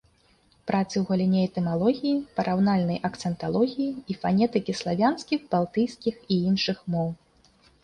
Працы ў галіне этымалогіі, параўнальнай акцэнталогіі і фанетыкі славянскіх, балтыйскіх і іншых моў.